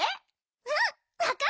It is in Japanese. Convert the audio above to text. うんわかったッピ。